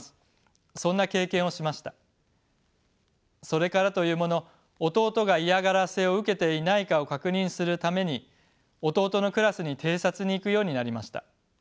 それからというもの弟が嫌がらせを受けていないかを確認するために弟のクラスに偵察に行くようになりました。